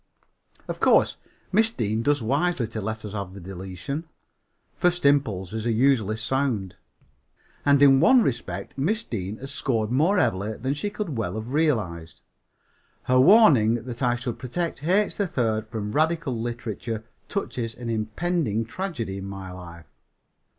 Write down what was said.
Of course, Miss Deane does wisely to let us have the deletion. First impulses are usually sound. And in one respect Miss Deane has scored more heavily than she could well have realized. Her warning that I should protect H. 3rd from radical literature touches an impending tragedy in my life.